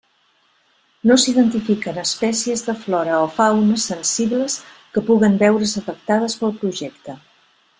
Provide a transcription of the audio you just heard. No s'identifiquen espècies de flora o fauna sensibles que puguen veure's afectades pel projecte.